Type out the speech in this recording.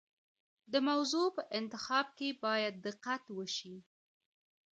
د موضوع په انتخاب کې باید دقت وشي.